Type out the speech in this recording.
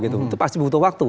itu pasti butuh waktu